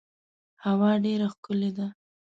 هوا ډیره ښکلې ده .